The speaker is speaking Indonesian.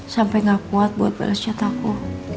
sampai gak kuat buat bales chat aku